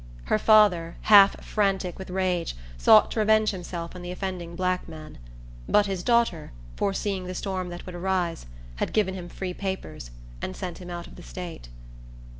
Her father, half frantic with rage, sought to revenge himself on the offending black man; but his daughter, foreseeing the storm that would arise, had given him free papers, and sent him out of the state.